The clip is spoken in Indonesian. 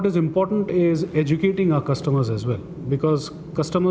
jadi bagi kami yang penting adalah mengajari pelanggan kami juga